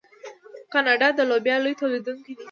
کاناډا د لوبیا لوی تولیدونکی دی.